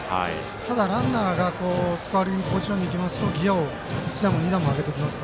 ただ、ランナーがスコアリングポジションに行くとギヤを１段も２段も上げてきます。